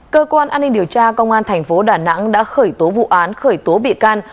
cơ quan an ninh điều tra công an thành phố đà nẵng đã khởi tố vụ án khởi tố bị can